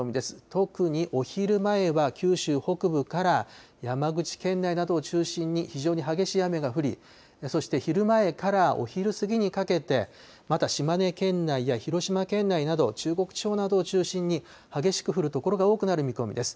特にお昼前は九州北部から山口県内などを中心に、非常に激しい雨が降り、そして昼前からお昼過ぎにかけて、また島根県内や広島県内など、中国地方などを中心に激しく降る所が多くなる見込みです。